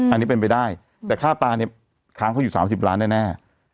อันนี้เป็นไปได้แต่ค่าปลาเนี่ยค้างเขาอยู่๓๐ล้านแน่